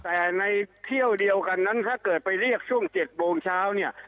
แต่ในเที่ยวเดียวกันนั้นถ้าเกิดไปเรียกช่วง๗โมงเช้าเนี่ย